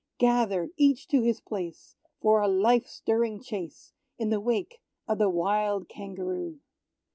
Gather each to his place For a life stirring chase In the wake of the wild Kangaroo!